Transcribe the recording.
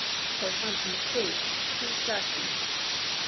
Southampton estate C. Starkey.